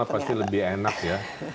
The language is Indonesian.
pasti lebih enak ya